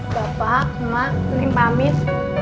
bapak emak ini pamit